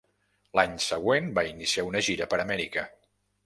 L'any següent va iniciar una gira per Amèrica.